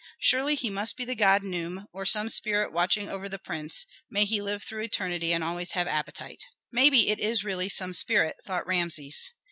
Surely he must be the god Num, or some spirit watching over the prince, may he live through eternity and always have appetite!" "Maybe it is really some spirit," thought Rameses.